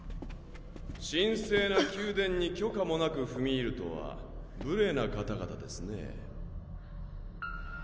神聖な宮殿に許可もなく踏み入るとは無礼な方々ですね。